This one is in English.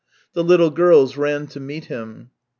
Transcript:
The little girls ran to meet him.